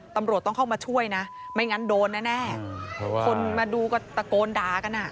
ตำรวจต้องเข้ามาช่วยนะไม่งั้นโดนแน่คนมาดูก็ตะโกนด่ากันอ่ะ